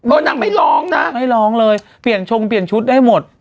นางไม่ร้องนะไม่ร้องเลยเปลี่ยนชงเปลี่ยนชุดได้หมด